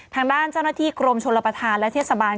ทางด้านเจ้าหน้าที่กรมชนประธานและเทศบาล